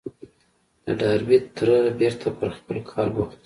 د ډاربي تره بېرته پر خپل کار بوخت شو.